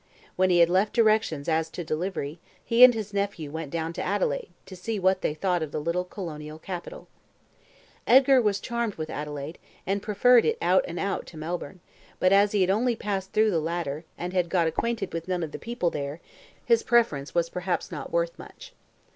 When he had left directions as to delivery, he and his nephew went down to Adelaide, to see what they thought of that little colonial capital. Edgar was charmed with Adelaide, and preferred it out and out to Melbourne, but as he had only passed through the latter, and had got acquainted with none of the people there, his preference was perhaps not worth much.